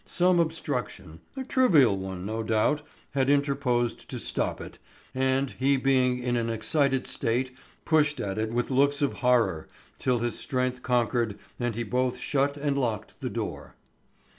Some obstruction, a trivial one no doubt, had interposed to stop it, and he being in an excited state pushed at it with looks of horror, till his strength conquered and he both shut and locked the door.